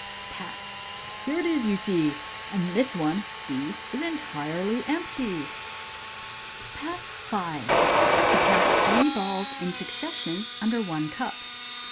Pass ! Here it is, you see, and this one (B) is entirely empty." Pass V. To pass three Balls in succession under one Cup.